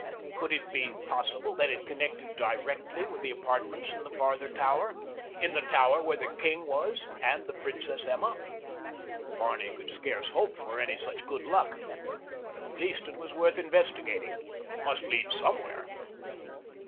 Could it be possible that it connected directly with the apartments in the farther tower—in the tower where the king was and the Princess Emma? Barney could scarce hope for any such good luck, but at least it was worth investigating—it must lead somewhere.